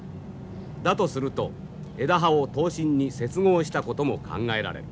だとすると枝刃を刀身に接合したことも考えられる。